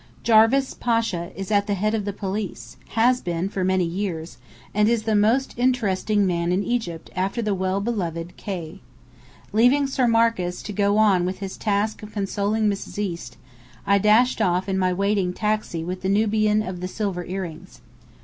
Jarvis Pasha is at the head of the police, has been for many years, and is the most interesting man in Egypt after the well beloved "K." Leaving Sir Marcus to go on with his task of consoling Mrs. East, I dashed off in my waiting taxi with the Nubian of the silver earrings.